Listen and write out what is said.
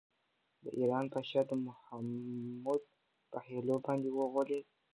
د ایران پادشاه د محمود په حيلو باندې وغولېد.